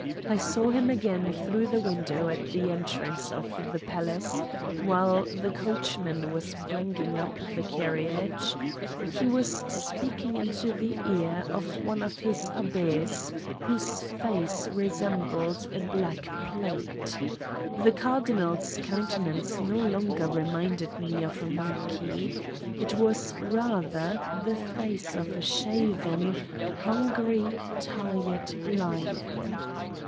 I saw him again through the window at the entrance of the palace, while the coachman was bringing up the carriage: he was speaking into the ear of one of his abbes, whose face re sembled a black plate. The Cardinal's counte nance no longer reminded me of a monkey : it was rather the face of a shaven, hungry, tired lion.